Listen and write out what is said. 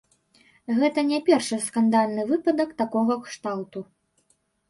Гэта не першы скандальны выпадак такога кшталту.